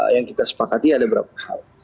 yang kita sepakati ada beberapa hal